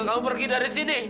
kamu pergi dari sini